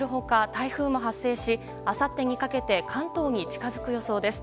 台風も発生しあさってにかけて関東に近づく予想です。